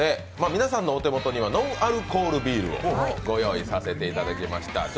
皆さんのお手元にはノンアルコールビールをご用意させていただきました。